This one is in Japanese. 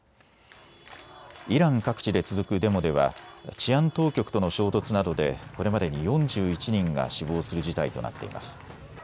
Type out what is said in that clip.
イラン各地で続くデモでは治安当局との衝突などでこれまでに４１人が死亡する事態となっています。